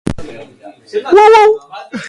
Aitak semeari jarritako txapela amari eskainia.